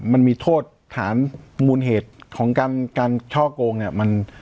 มันมีโทษฐานมูลเหตุของการช่อกงเนี่ย